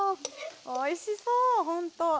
おいしそうほんと。